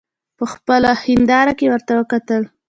په خپله هینداره کې ورته وکتل.